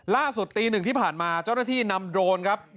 ล่าสุดตี๑ที่ผ่านมาเจ้าหน้าที่นำโดรนครับ